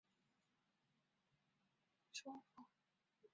文嬴以母亲的身分说服晋襄公释放三将归秦。